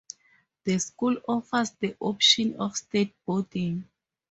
The school offers the option of state boarding.